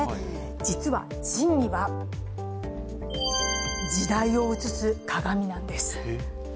実は珍味は、時代を映す鏡なんです。